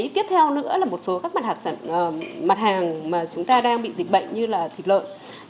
tiếp theo nữa là một số các mặt hàng mà chúng ta đang bị dịch bệnh như là thịt lợn